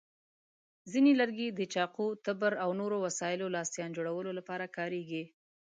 ځینې لرګي د چاقو، تبر، او نورو وسایلو لاستیان جوړولو لپاره کارېږي.